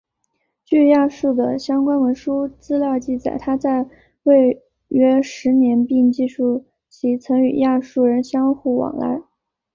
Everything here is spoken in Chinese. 据亚述的相关文书资料记载他在位约十年并记述其曾与亚述人相互往来。